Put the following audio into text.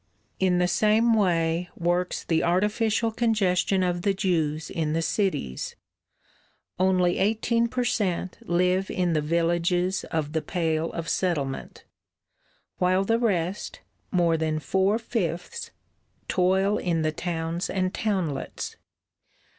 In the same way works the artificial congestion of the Jews in the cities: only eighteen per cent. live in the villages of the Pale of Settlement, while the rest more than four fifths toil in the towns and townlets.